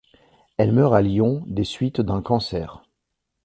Elle meurt à Lyon des suites d’un cancer.